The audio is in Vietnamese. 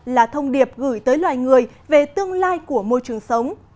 là thông điệp gửi tới loài người về tương lai của môi trường sống